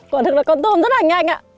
quả thực là con tôm rất là nhanh anh ạ